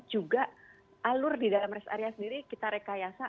juga alur di dalam rest area sendiri kita rekayasa